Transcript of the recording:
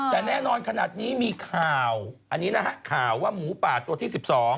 แต่แน่นอนขนาดนี้มีข่าวอันนี้นะฮะข่าวว่าหมูป่าตัวที่๑๒